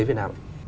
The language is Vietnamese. đối với việt nam